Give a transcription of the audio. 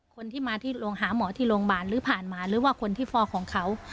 คนที่มาที่โรงหาหมอที่โรงพยาบาลหรือผ่านมาหรือว่าคนที่ฟอกของเขา